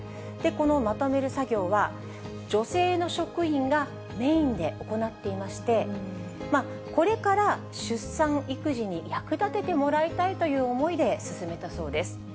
このまとめる作業は、女性の職員がメインで行っていまして、これから出産育児に役立ててもらいたいという思いで進めたそうです。